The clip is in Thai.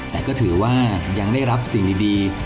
แต่ก็ถือว่ายังได้รับสิ่งดี